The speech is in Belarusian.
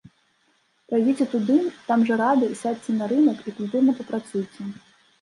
Прайдзіце туды, там жа рады, сядзьце на рынак, і культурна папрацуйце.